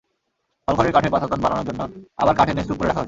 হলঘরের কাঠের পাটাতন বানানোর জন্য আবার কাঠ এনে স্তূপ করে রাখা হয়েছে।